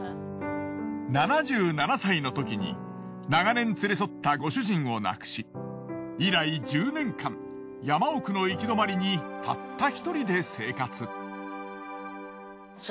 ７７歳のときに長年連れ添ったご主人を亡くし以来１０年間山奥の行き止まりにたった１人で生活。